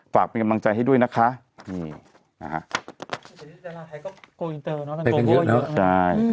ฝากเป็นกำลังใจให้ด้วยนะคะนี่นะฮะ